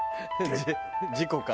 「事故か？